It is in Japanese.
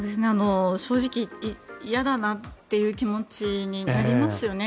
正直、嫌だなという気持ちになりますよね。